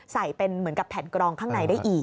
ใส่เป็นเหมือนกับแผ่นกรองข้างในได้อีก